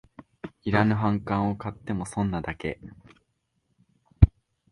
いらぬ反感を買っても損なだけ